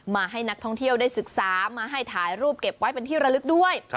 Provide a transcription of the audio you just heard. มาให้นักท่องเที่ยวได้ศึกษามาให้ถ่ายรูปเก็บไว้เป็นที่ระลึกด้วย